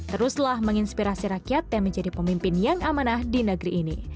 teruslah menginspirasi rakyat dan menjadi pemimpin yang amanah di negeri ini